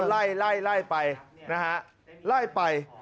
ไล่ไปนะฮะไล่ไป